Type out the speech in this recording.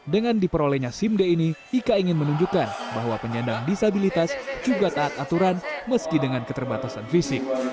dengan diperolehnya simd ini ika ingin menunjukkan bahwa penyandang disabilitas juga taat aturan meski dengan keterbatasan fisik